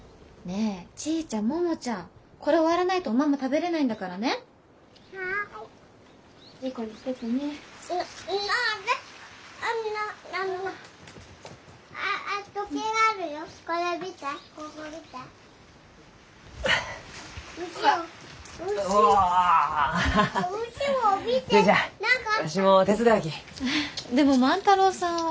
えでも万太郎さんは。